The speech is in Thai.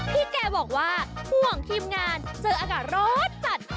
แกบอกว่าห่วงทีมงานเจออากาศร้อนจัด